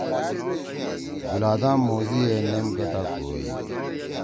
گُولادام موزی ئے نیم گٹا کوَئی